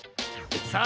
さあ